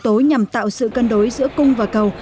yếu tố nhằm tạo sự cân đối giữa cung và cầu